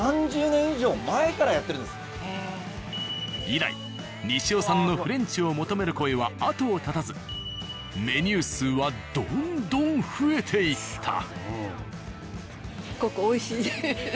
以来西尾さんのフレンチを求める声は後を絶たずメニュー数はどんどん増えていった。